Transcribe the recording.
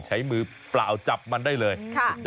ใช้มือเปล่าจับมันได้เลย